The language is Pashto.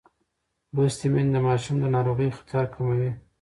لوستې میندې د ماشوم د ناروغۍ خطر کموي.